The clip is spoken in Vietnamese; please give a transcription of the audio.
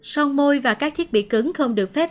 sơn môi và các thiết bị cứng không được phép